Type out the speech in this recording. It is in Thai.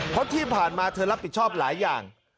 เพราะที่ผ่านมาเธอรับผิดชอบหลายอย่าง